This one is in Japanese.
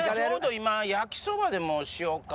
今焼きそばでもしようか。